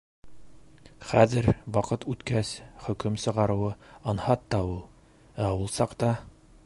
Хәҙер, ваҡыт үткәс, хөкөм сығарыуы анһат та ул, ә ул саҡта?